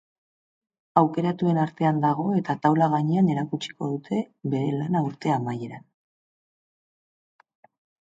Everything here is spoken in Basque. Aukeratuen artean dago eta taula gainean erakutsiko dute bere lana urte amaieran.